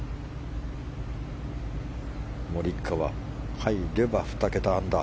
モリカワ、入れば２桁アンダー。